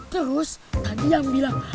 terus tadi yang bilang